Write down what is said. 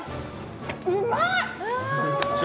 うまい！